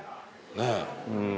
ねえ。